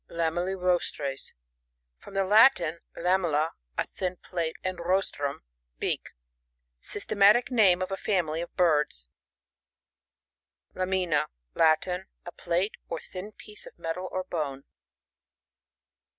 Lamrllirostrr?. — From the L^fin, lamella^ a thin ph e, and rostrvni, beak. Svstematic name of a fiuDily of birds. Lamina. — Latin. A pLtte, or thin piece of metal or bone.